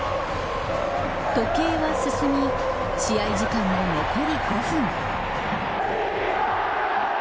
時計は進み試合時間も残り５分。